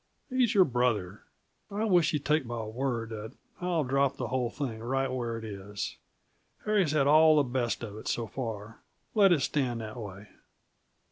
He's your brother. I wish you'd take my word that I'll drop the whole thing right where it is. Harry's had all the best of it, so far; let it stand that way."